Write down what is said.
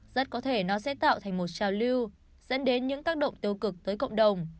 rất có thể nó sẽ tạo thành một trào lưu dẫn đến những tác động tiêu cực tới cộng đồng